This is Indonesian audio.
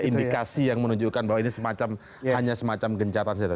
indikasi yang menunjukkan bahwa ini semacam hanya semacam gencatan senjata